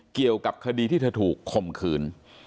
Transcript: เกี่ยวกับคดีที่เธอถูกคมขืน